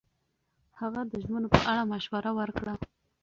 هغه د ژمنو په اړه مشوره ورکړه.